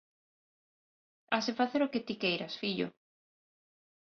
Hase facer o que ti queiras, fillo